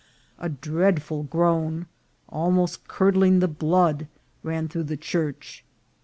A dreadful groan, almost curdling the blood, ran through the church.